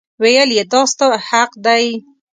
ویل یې دا ستا حق دی.